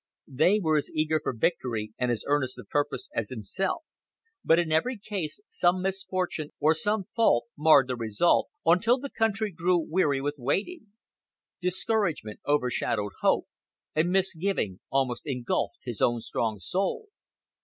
They were as eager for victory and as earnest of purpose as himself, but in every case some misfortune or some fault marred the result, until the country grew weary with waiting; discouragement overshadowed hope, and misgiving almost engulfed his own strong soul.